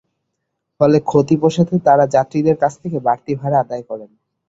ফলে ক্ষতি পোষাতে তাঁরা যাত্রীদের কাছ থেকে বাড়তি ভাড়া আদায় করেন।